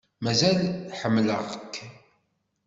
Mazal ḥemmleɣ-k.